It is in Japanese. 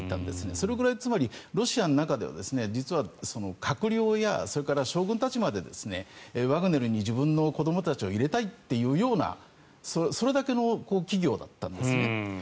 それくらいロシアの中では閣僚や将軍たちまでワグネルに自分の子どもたちを入れたいというようなそれだけの企業だったんです。